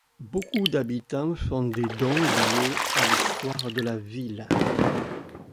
Beaucoup d'habitants font des dons liés à l'histoire de la ville.